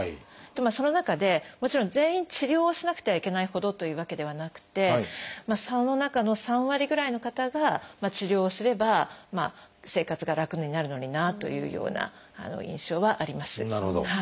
その中でもちろん全員治療をしなくてはいけないほどというわけではなくてその中の３割ぐらいの方が治療をすれば生活が楽になるのになというような印象はあります。